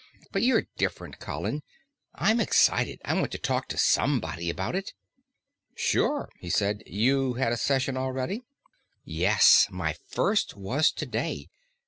But you're different, Colin. I'm excited; I want to talk to somebody about it." "Sure," he said. "You had a session already?" "Yes, my first was today.